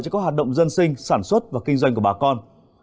cho các hoạt động dân sinh sản xuất và kinh doanh của bà con